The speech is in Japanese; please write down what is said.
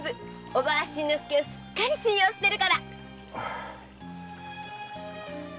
伯母は新之助をすっかり信用してるから。